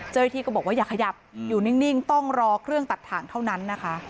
เจ้าหน้าที่ก็บอกว่าอย่าขยับอยู่นิ่งต้องรอเครื่องตัดถ่างเท่านั้นนะคะ